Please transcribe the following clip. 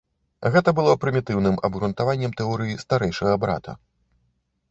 Гэта было прымітыўным абгрунтаваннем тэорыі старэйшага брата.